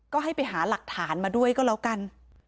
ก็ให้ไปหาหลักฐานมาด้วยก็แล้วกัน